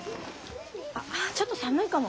ちょっと寒いかも。